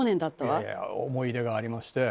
いやいや思い出がありまして。